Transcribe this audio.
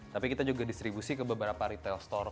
tapi kita juga distribusi ke beberapa retail store